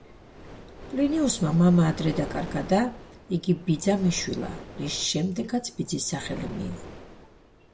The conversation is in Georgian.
პლინიუსმა მამა ადრე დაკარგა და იგი ბიძამ იშვილა, რის შემდეგაც ბიძის სახელი მიიღო.